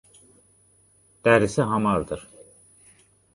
Dərisi hamardır.